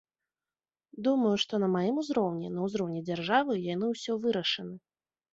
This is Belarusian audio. Думаю, што на маім узроўні, на ўзроўні дзяржавы яны ўсё вырашаны.